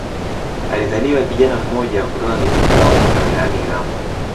Alizaliwa kijana mmoja kutoka kijiji cha Makunda wilayani Iramba